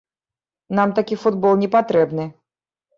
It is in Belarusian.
Нам такі футбол не патрэбны!